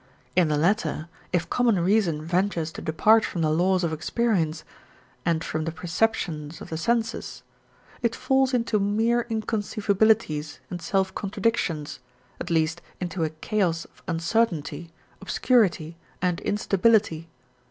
In the latter, if common reason ventures to depart from the laws of experience and from the perceptions of the senses, it falls into mere inconceivabilities and self contradictions, at least into a chaos of uncertainty, obscurity, and instability.